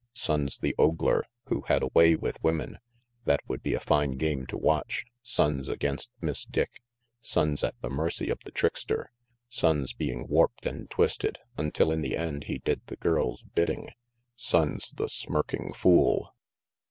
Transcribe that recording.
Sonnes, the ogler, who had a way with women that would be a fine game to watch, Sonnes against Miss Dick Sonnes at the mercy of the trickster Sonnes, being warped and twisted, until in the end he did the girl's bidding Sonnes, the smirking fool!